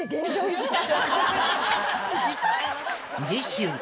［次週］